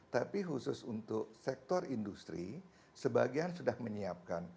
tapi khusus untuk sektor industri sebagian sudah menyiapkan